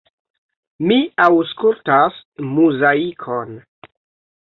Mi aŭskultas Muzaikon.